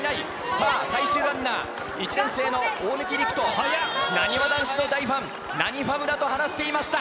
さあ、最終ランナー、１年生の大貫陸斗、なにわ男子の大ファン、なにふぁむだと話していました。